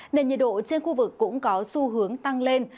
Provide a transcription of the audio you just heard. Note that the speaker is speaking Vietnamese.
nền nhiệt độ trên khu vực cũng có xu hướng tăng lên